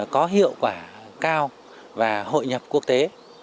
có hiệu quả cao và hội nhập quốc tế